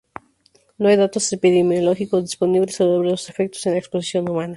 No hay datos epidemiológicos disponibles sobre los efectos en la exposición humana.